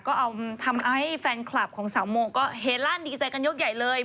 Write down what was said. ก็เอาทำให้แฟนคลับของสาวโมก็เฮลั่นดีใจกันยกใหญ่เลย